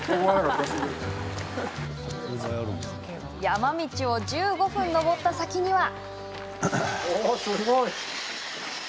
山道を１５分登った先には。